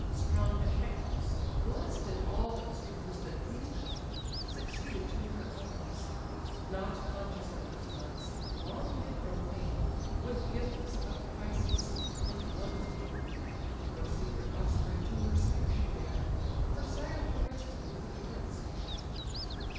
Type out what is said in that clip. Strong Echecleus, bless'd in all those charms That pleased a god, succeeded to her arms; Not conscious of those loves, long hid from fame, With gifts of price he sought and won the dame; Her secret offspring to her sire she bare; Her sire caress'd him with a parent's care.